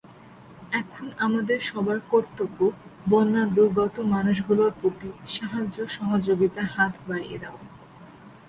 এখন আমাদের সবার কর্তব্য বন্যাদুর্গত মানুষগুলোর প্রতি সাহায্য-সহযোগিতার হাত বাড়িয়ে দেওয়া।